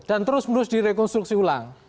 dan terus menerus direkonstruksi ulang